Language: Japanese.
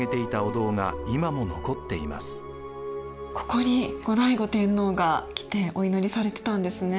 ここに後醍醐天皇が来てお祈りされてたんですね。